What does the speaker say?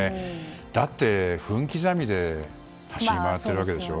だって、分刻みで走り回っているわけでしょ。